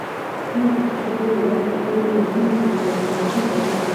آیا د تشو بولو رنګ په اوړي او ژمي کې سره توپیر لري؟